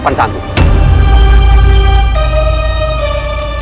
baiklah coba saja